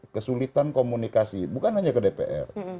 kesulitan komunikasi bukan hanya ke dpr